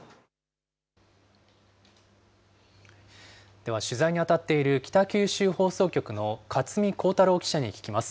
では取材に当たっている北九州放送局の勝海光太朗記者に聞きます。